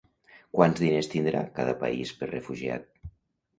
Quants diners tindrà cada país per refugiat?